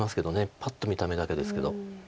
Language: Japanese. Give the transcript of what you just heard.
パッと見た目だけですけど。